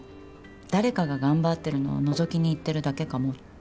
誰かが頑張ってるのをのぞきに行ってるだけかもって。